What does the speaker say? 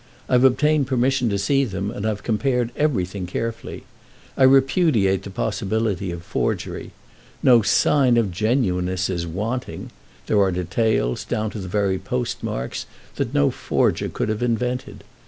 I've obtained permission to see them, and I've compared everything carefully. I repudiate the possibility of forgery. No sign of genuineness is wanting; there are details, down to the very postmarks, that no forger could have invented.